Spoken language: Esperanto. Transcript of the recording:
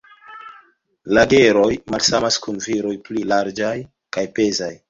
La genroj malsamas kun viroj pli larĝaj kaj pezaj.